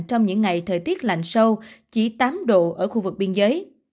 trong những ngày thời tiết lạnh sâu chỉ tám độ ở khu vực biên giới